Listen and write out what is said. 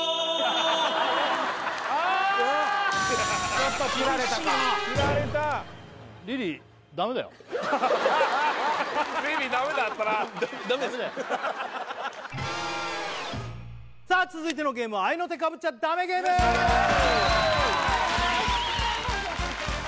ちょっとつられたか厳しいな・つられたリリーダメだったなダダメですかダメだよさあ続いてのゲームは合いの手かぶっちゃダメゲームイエーイ